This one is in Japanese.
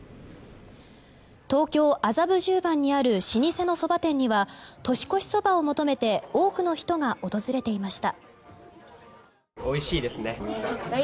東京・麻布十番にある老舗のそば店には年越しそばを求めて多くの人が訪れていました。